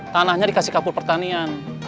tanahnya dikasih kapur pertanian